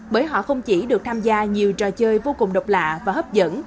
bởi họ không chỉ được tham gia nhiều trò chơi vô cùng độc lạ và hấp dẫn